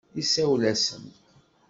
Isawel-asen.